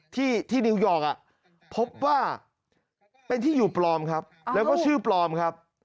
ที่ที่นิวยอร์กพบว่าเป็นที่อยู่ปลอมครับแล้วก็ชื่อปลอมครับ